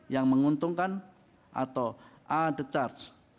yang menguntungkan atau a the charge